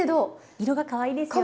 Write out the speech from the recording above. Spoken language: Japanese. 色がかわいいですよね。